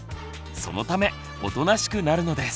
そのためおとなしくなるのです。